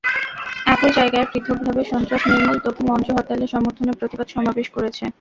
একই জায়গায় পৃথকভাবে সন্ত্রাস নির্মূল ত্বকী মঞ্চ হরতালের সমর্থনে প্রতিবাদ সমাবেশ করেছে।